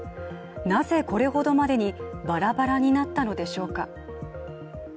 なぜこれほどまでにバラバラになったのでしょうか。